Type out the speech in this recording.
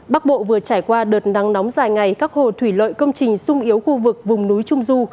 bắc bộ vừa trải qua đợt nắng nóng dài ngày các hồ thủy lợi công trình sung yếu khu vực vùng núi trung du